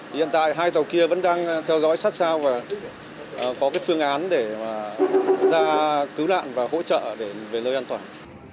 hiện tại hai tàu kia vẫn đang theo dõi sát sao và có cái phương án để ra cứu nạn và hỗ trợ để về nơi an toàn